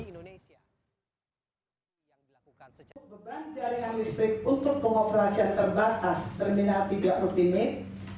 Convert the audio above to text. beban jaringan listrik untuk pengoperasian terbatas terminal tiga ultimate